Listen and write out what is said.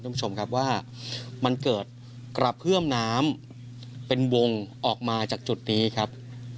คุณผู้ชมครับว่ามันเกิดกระเพื่อมน้ำเป็นวงออกมาจากจุดนี้ครับ